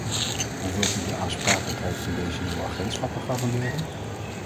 Hoe wilt u de aansprakelijkheid van deze nieuwe agentschappen garanderen?